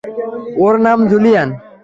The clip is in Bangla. ওর নাম জুলিয়ান?